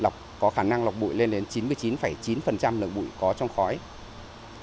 nhà máy nhiệt điện thái bình có khả năng lọc bụi lên đến chín mươi chín chín lọc bụi